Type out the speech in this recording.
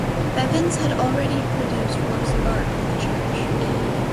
Bevans had already produced works of art for the church.